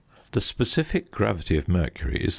The specific gravity of mercury is 13.